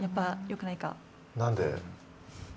何で？